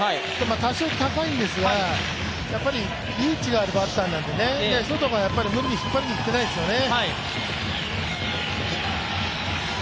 多少、高いんですが、やはりリーチがあるバッターなのでソトもやっぱり無理に引っ張りにいってないですよね。